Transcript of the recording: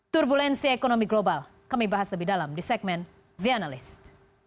turbulensi ekonomi global kami bahas lebih dalam di segmen the analyst